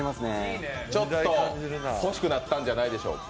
ちょっと欲しくなったんじゃないでしょうか？